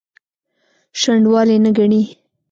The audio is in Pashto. شنډوالي نه ګڼي.